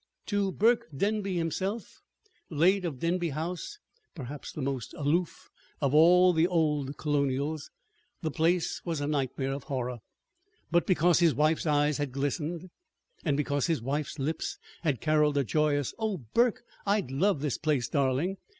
To Burke Denby himself, late of Denby House (perhaps the most aloof of all the "old colonials"), the place was a nightmare of horror. But because his wife's eyes had glistened, and because his wife's lips had caroled a joyous "Oh, Burke, I'd love this place, darling!"